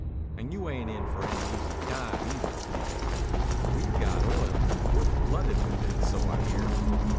"And you ain't in for any easy time either," he added. "We've got oil. We're flooded with it, so I hear.